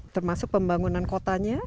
termasuk pembangunan kotanya